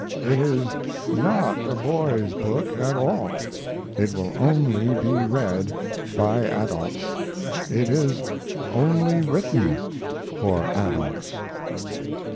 It is not a boy's book at all. It will only be read by adults. It is only written for adults.